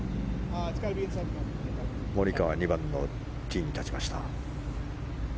モリカワ２番のティーに立ちました。